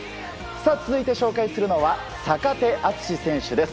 続いて紹介するのは坂手淳史選手です。